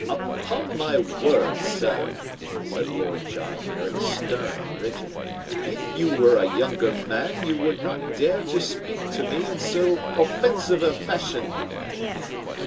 "Upon my word, sir," said Lord John, very stern and rigid, "if you were a younger man you would not dare to speak to me in so offensive a fashion."